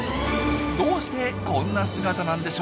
どうしてこんな姿なんでしょう？